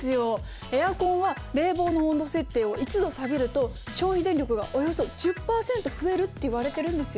エアコンは冷房の温度設定を１度下げると消費電力がおよそ１０％増えるっていわれてるんですよ。